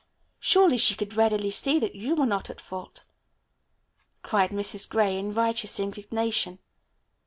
Surely she could readily see that you were not at fault," cried Mrs. Gray in righteous indignation.